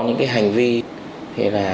có những hành vi